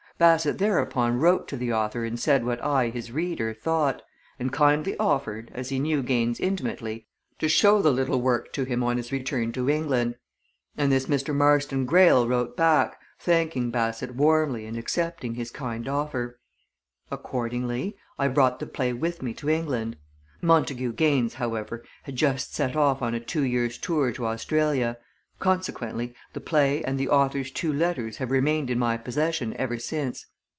Bassett thereupon wrote to the author and said what I, his reader, thought, and kindly offered, as he knew Gaines intimately, to show the little work to him on his return to England. And this Mr. Marston Greyle wrote back, thanking Bassett warmly and accepting his kind offer. Accordingly, I brought the play with me to England. Montagu Gaines, however, had just set off on a two years' tour to Australia consequently, the play and the author's two letters have remained in my possession ever since.